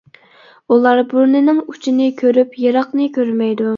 ئۇلار بۇرنىنىڭ ئۇچىنى كۆرۈپ يىراقنى كۆرمەيدۇ.